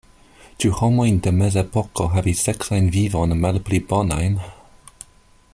Ĉu homoj de mezepoko havis seksajn vivojn malpli bonajn?